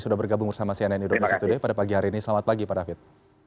sudah bergabung bersama cnn indonesia today pada pagi hari ini selamat pagi pak david